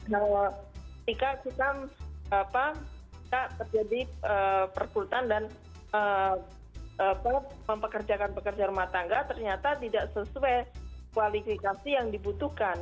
ketika kita terjadi perkutan dan mempekerjakan pekerja rumah tangga ternyata tidak sesuai kualifikasi yang dibutuhkan